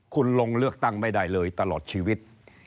คุณลงเลือกตั้งไม่ได้เลยตลอดชีวิต